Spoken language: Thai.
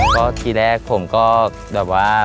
ก็ทีแรกผมก็แบบว่า